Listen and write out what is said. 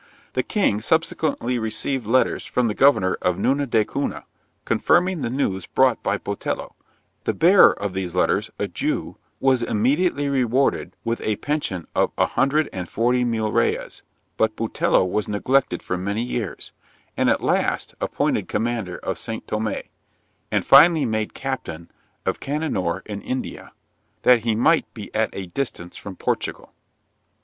The king subsequently received letters from the governor of Nuno da Cunha, confirming the news brought by Botelho; the bearer of these letters, a Jew, was immediately rewarded with a pension of a hundred and forty milreas; but Botelho was neglected for many years, and at last appointed commander of St. Thomé, and finally made captain of Cananor in India, that he might be at a distance from Portugal.'